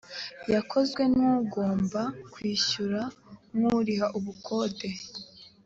yakozwe n ugomba kwishyura nk uriha ubukode